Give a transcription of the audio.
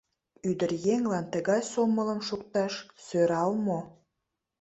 Ӱдыръеҥлан тыгай сомылым шукташ сӧрал мо?